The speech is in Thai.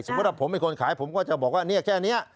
สมมุติว่าผมเป็นคนขายผมก็จะบอกว่าแค่นี้